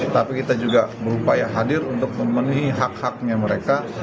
tapi kita juga berupaya hadir untuk memenuhi hak haknya mereka